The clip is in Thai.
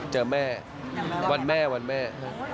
เจอแม่วันแม่วันแม่